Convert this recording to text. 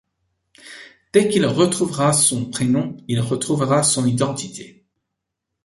Dès qu'il retrouvera son prénom il retrouvera son identité.